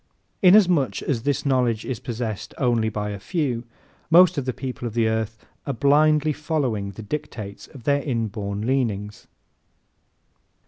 Inasmuch as this knowledge is possessed by only a few, most of the people of the earth are blindly following the dictates of their inborn leanings.